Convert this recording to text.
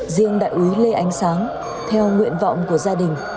riêng đại úy lê ánh sáng theo nguyện vọng của gia đình